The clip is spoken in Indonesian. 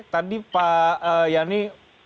tadi pak yani